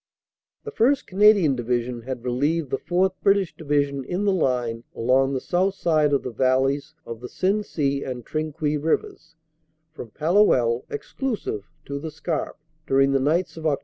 "The 1st. Canadian Division had relieved the 4th. British Division in the line along the south side of the valleys of the Sensee and Trinquis Rivers, from Palluel (exclusive) to the Scarpe, during the nights Oct.